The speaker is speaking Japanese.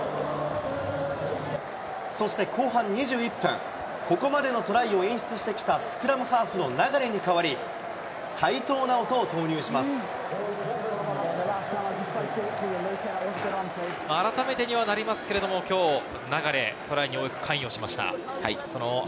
そして後半２１分、ここまでのトライを演出してきたスクラムハーフの流に代わり、改めてにはなりますけれども、きょう、流、トライによく関与しました。